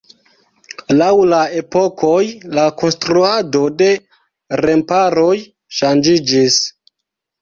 Laŭ la epokoj la konstruado de remparoj ŝanĝiĝis.